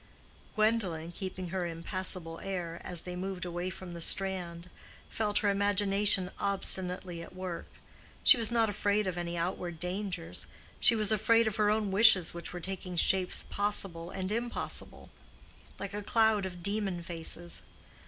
Gwendolen, keeping her impassable air, as they moved away from the strand, felt her imagination obstinately at work. She was not afraid of any outward dangers—she was afraid of her own wishes which were taking shapes possible and impossible, like a cloud of demon faces.